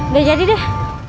gak jadi deh